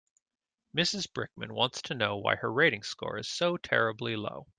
Mrs Brickman wants to know why her rating score is so terribly low.